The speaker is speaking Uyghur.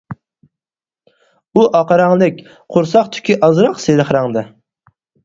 ئۇ ئاق رەڭلىك، قورساق تۈكى ئازراق سېرىق رەڭدە.